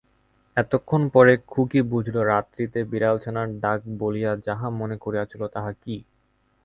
এতক্ষণ পরে খুকী বুঝিল রাত্রিতে বিড়ালছানার ডাক বলিয়া যাহা মনে করিয়াছিল তাহা কি।